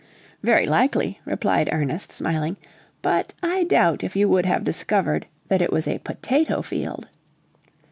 "Very likely," replied Ernest, smiling; "but I doubt if you would have discovered that it was a potato field."